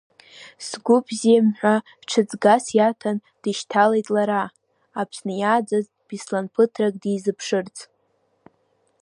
Сгәы бзиам ҳәа ҽыҵгас иаҭан, дышьҭалеит лара, Аԥсны иааӡаз Беслан ԥыҭрак дизыԥшырц.